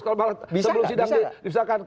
kalau sebelum sidang misalkan